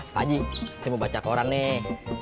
pak ji saya mau baca koran nih